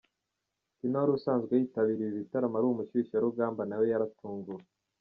Tino wari usanzwe yitabira ibi bitaramo ari umushyushyarugamba nawe yaratunguwe.